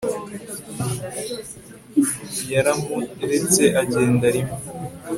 yaramuretse agenda rimwe